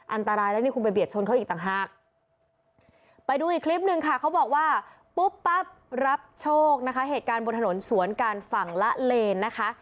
อันตรายแล้วคุณไปเบียดชนเขาอีกต่างหาก